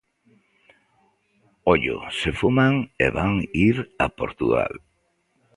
Ollo se fuman e van ir a Portugal.